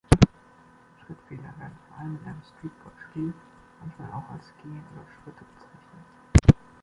Schrittfehler werden vor allem in einem Streetball-Spiel manchmal auch als „Gehen“ oder „Schritte“ bezeichnet.